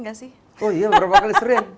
nggak sih oh iya berapa kali sering